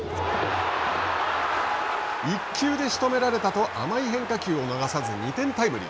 １球でしとめられたと甘い変化球を逃さず２点タイムリー。